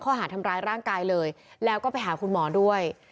ข้อหาทำร้ายร่างกายเลยแล้วก็ไปหาคุณหมอด้วย